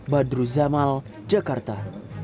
badru zamal jakarta